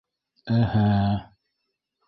- Эһе!